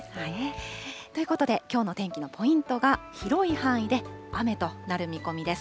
ということで、きょうの天気のポイントが、広い範囲で雨となる見込みです。